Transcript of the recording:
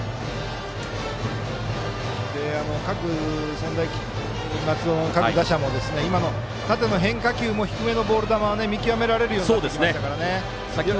専大松戸の各打者も縦の変化球も低めのボール球を見極められるようになってきましたからね。